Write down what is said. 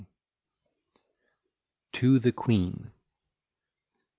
_ To the Queen.